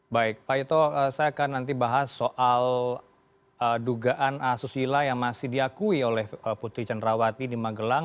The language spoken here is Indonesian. baik pak ito saya akan nanti bahas soal dugaan asusila yang masih diakui oleh putri cenrawati di magelang